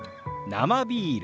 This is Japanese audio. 「生ビール」。